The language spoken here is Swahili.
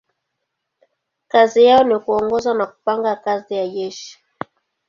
Kazi yao ni kuongoza na kupanga kazi ya jeshi.